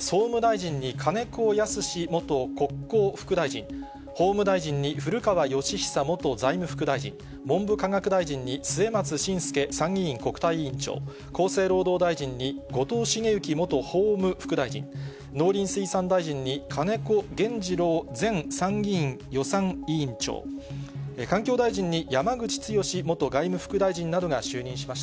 総務大臣に金子恭之元国交副大臣、法務大臣に古川禎久元財務副大臣、文部科学大臣に末松信介参議院国対委員長、厚生労働大臣に後藤茂之元法務副大臣、農林水産大臣に金子原二郎前参議院予算委員長、環境大臣に山口壯元外務副大臣などが就任しました。